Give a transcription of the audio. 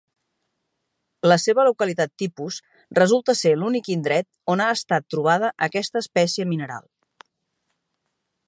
La seva localitat tipus resulta ser l'únic indret on ha estat trobada aquesta espècie mineral.